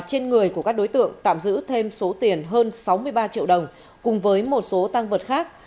trên người của các đối tượng tạm giữ thêm số tiền hơn sáu mươi ba triệu đồng cùng với một số tăng vật khác